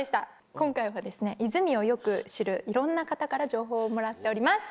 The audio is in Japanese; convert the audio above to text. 今回は泉をよく知るいろんな方から情報をもらっております。